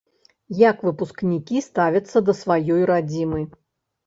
Як выпускнікі ставяцца да сваёй радзімы?